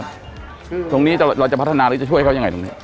ตรงนี้เราจะพัฒนาหรือจะช่วยเขายังไงตรงนี้